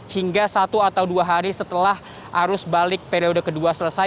hingga satu atau dua hari setelah arus balik periode kedua selesai